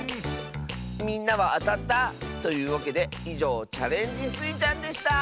みんなはあたった？というわけでいじょう「チャレンジスイちゃん」でした！